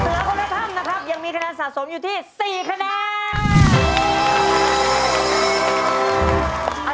หัวเสือคนธรรมนะครับยังมีคะแนนสะสมอยู่ที่๔คะแนน